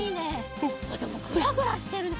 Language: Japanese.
でもグラグラしてるね。